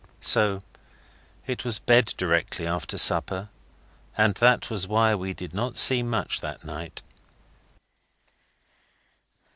So it was bed directly after supper, and that was why we did not see much that night.